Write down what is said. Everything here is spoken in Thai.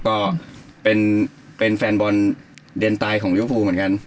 ก็เป็นแฟนบอลเดนตายของลิเวอร์ฟูเหมือนกัน